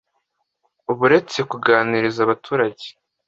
ba Uretse kuganiriza abaturage